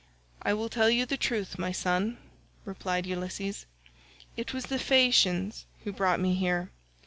"I will tell you the truth, my son," replied Ulysses. "It was the Phaeacians who brought me here.